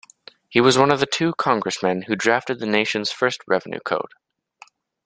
He was one of two Congressmen who drafted the nation's first revenue code.